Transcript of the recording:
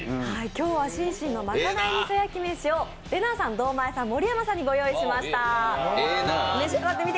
今日はＳｈｉｎＳｈｉｎのまかない味噌やきめしをれなぁさん、堂前さん、盛山さんにご用意しました。